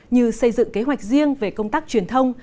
như xây dựng kế hoạch riêng về công tác truyền thông